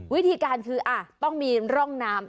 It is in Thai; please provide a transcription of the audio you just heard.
วิธีการคือต้องมีร่องน้ำ